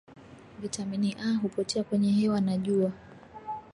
viatamini A hupotea kwenye hewa na jua